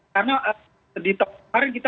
karena di tahun kemarin kita